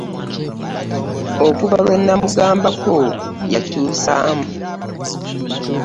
Okuva lwe namugambako yakyusaamu.